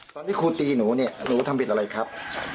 ครูตีหนูเนี่ยหนูทำผิดอะไรครับ